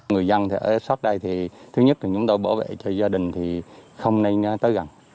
người dân ở shop đây thì thứ nhất là chúng tôi bảo vệ cho gia đình thì không nên tới gần